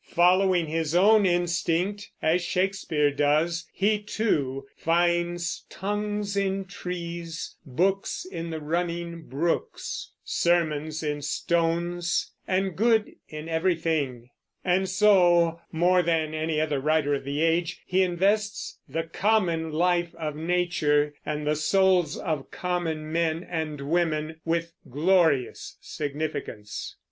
Following his own instinct, as Shakespeare does, he too Finds tongues in trees, books in the running brooks, Sermons in stones, and good in everything. And so, more than any other writer of the age, he invests the common life of nature, and the souls of common men and women, with glorious significance.